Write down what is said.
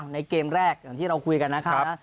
ในเกมแรกอย่างที่เราคุยกันนะครับ